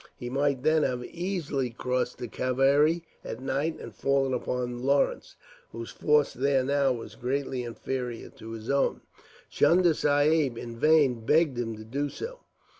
He might, then, have easily crossed the Kavari at night and fallen upon Lawrence, whose force there now was greatly inferior to his own. Chunda Sahib, in vain, begged him to do so.